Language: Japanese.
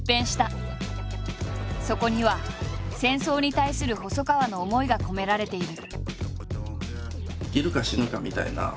そこには戦争に対する細川の思いが込められている。